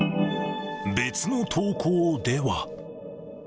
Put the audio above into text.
別の投稿では。